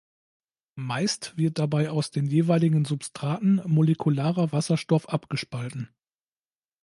Meist wird dabei aus den jeweiligen Substraten molekularer Wasserstoff abgespalten.